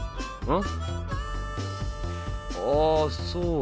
ん！？